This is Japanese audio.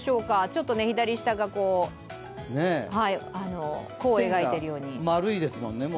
ちょっと左下が弧を描いているように。